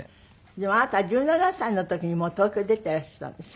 でもあなたは１７歳の時にもう東京へ出ていらしたんでしょ？